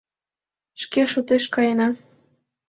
Шке шотеш каена.